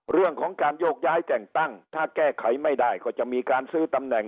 เรื่องของการโยกย้ายแต่งตั้งถ้าแก้ไขไม่ได้ก็จะมีการซื้อตำแหน่ง